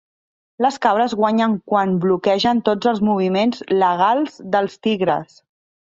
Les cabres guanyen quan bloquegen tots els moviments legals dels tigres.